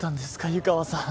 湯川さん。